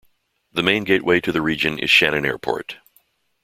The main gateway to the region is Shannon Airport.